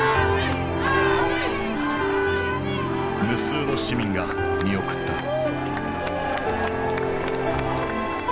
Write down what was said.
無数の市民が見送った。